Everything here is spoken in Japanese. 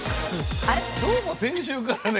どうも先週からね